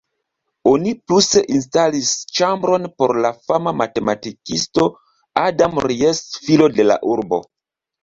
Oni pluse instalis ĉambron por la fama matematikisto Adam Ries, filo de la urbo.